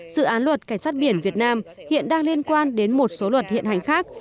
dự án luật cảnh sát biển việt nam hiện đang liên quan đến một số luật hiện hành khác